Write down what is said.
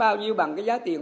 bao nhiêu bằng cái giá tiền